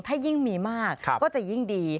ถ้ายิ่งมีมากก็จะยิ่งดี